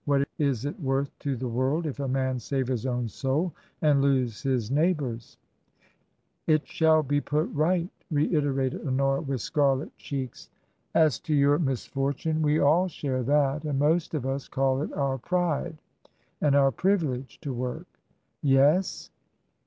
What is it worth to the world if a man save his own soul and lose his neighbour's ?"'* It shall be put right," reiterated Honora, with scarlet cheeks. " As to your misfortune, we all share that ; and most of us call it our pride and our privilege to work." " Yes